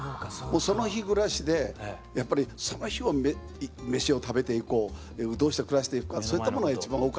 その日暮らしでやっぱりその日を飯を食べていこうどうして暮らしていくかそういったものが一番多かったですから。